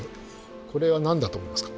これは何だと思いますか？